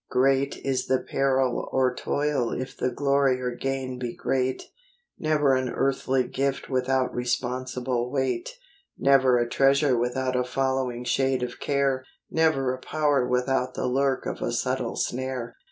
2 15 Great is the peril or toil if the glory or gain be great; Never an earthly gift without responsible weight; Never a treasure without a following shade of care; Never a power without the lurk of a subtle snare.